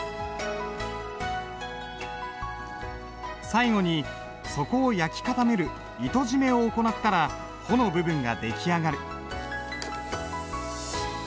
最後に底を焼き固める糸締めを行ったら穂の部分が出来上がる。